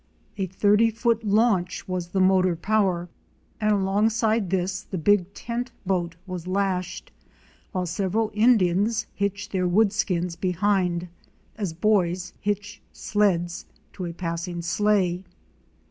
A thirty foot launch was the motor power and alongside this the big tent boat was lashed, while several Indians hitched their wood skins behind as boys hitch sleds to a passing sleigh.